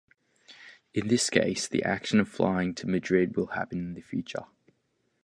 In this case, the action of flying to Madrid will happen in the future.